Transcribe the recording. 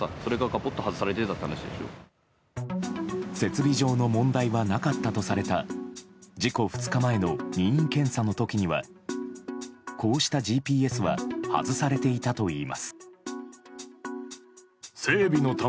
設備上の問題はなかったとされた事故２日前の任意検査の時にはこうしたＧＰＳは外されていたといいます。